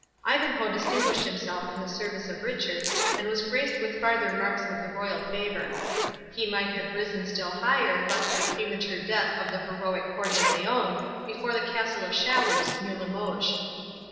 Ivanhoe distinguished himself in the service of Richard, and was graced with farther marks of the royal favour. He might have risen still higher, but for the premature death of the heroic Cœur de Lion, before the Castle of Chaluz, near Limoges.